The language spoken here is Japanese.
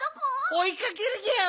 おいかけるギャオ。